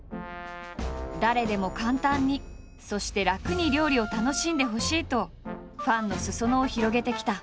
誰でも簡単にそして楽に料理を楽しんでほしいとファンの裾野を広げてきた。